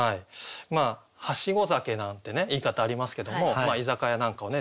はしご酒なんてね言い方ありますけども居酒屋なんかをね